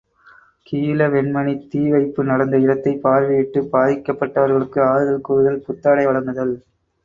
● கீழ வெண்மணித் தீவைப்பு நடந்த இடத்தைப் பார்வையிட்டுப் பாதிக்கப்பட்டவர்களுக்கு ஆறுதல் கூறுதல் புத்தாடை வழங்குதல்.